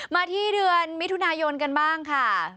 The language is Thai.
มาที่เดือนมิถุนายนกันบ้างค่ะ